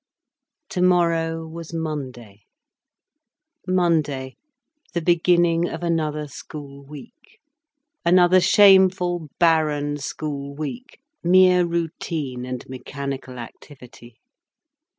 Tomorrow was Monday. Monday, the beginning of another school week! Another shameful, barren school week, mere routine and mechanical activity.